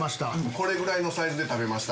これぐらいのサイズで食べました。